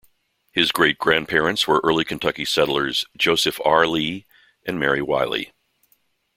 His great-grandparents were early Kentucky settlers, Joseph R. Lee and Mary Wiley.